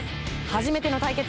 初めての対決。